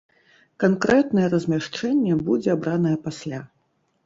Канкрэтнае размяшчэнне будзе абранае пасля.